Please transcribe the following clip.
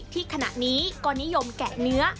ขณะนี้ก็นิยมแกะเนื้อ